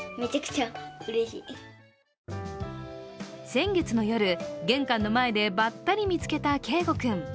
先月の夜、玄関の前でばったり見つけた恵梧くん。